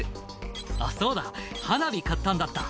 「あっそうだ花火買ったんだった」